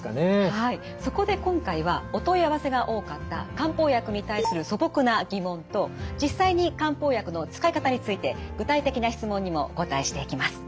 はいそこで今回はお問い合わせが多かった漢方薬に対する素朴な疑問と実際に漢方薬の使い方について具体的な質問にもお答えしていきます。